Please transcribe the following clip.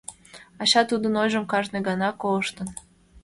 Ача тудын ойжым кажне гана колыштын.